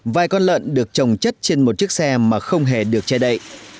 vài con lợn được trồng chất trên một chiếc xe mà không hề được che đậy